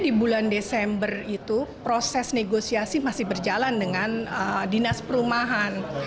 di bulan desember itu proses negosiasi masih berjalan dengan dinas perumahan